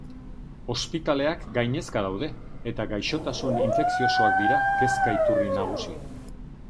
Ospitaleak gainezka daude eta gaixotasun infekziosoak dira kezka iturri nagusi.